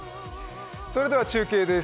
それでは中継です。